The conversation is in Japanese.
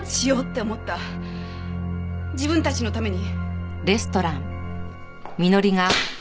自分たちのために。